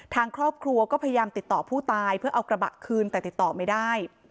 ทางครอบครัวก็พยายามติดต่อผู้ตายเพื่อเอากระบะคืนแต่ติดต่อไม่ได้